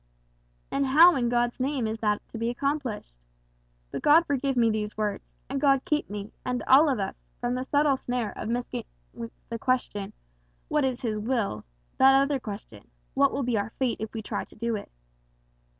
"And how, in God's name, is that to be accomplished? But God forgive me these words; and God keep me, and all of us, from the subtle snare of mixing with the question, 'What is his will?' that other question, 'What will be our fate if we try to do it?